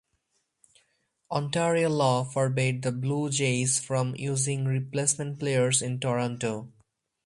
Ontario law forbade the Blue Jays from using replacement players in Toronto.